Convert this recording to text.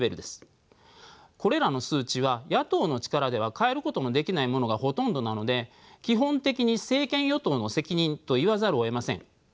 これらの数値は野党の力では変えることのできないものがほとんどなので基本的に政権与党の責任と言わざるをえません。